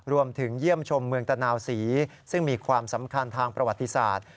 เยี่ยมชมเมืองตะนาวศรีซึ่งมีความสำคัญทางประวัติศาสตร์